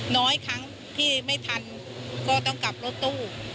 น้อยครั้งที่ไม่ทันก็ต้องกลับรถตู้